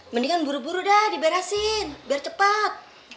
mendingan buru buru dah diberesin biar cepat